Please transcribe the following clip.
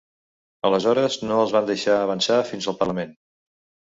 Aleshores no els van deixar avançar fins al parlament.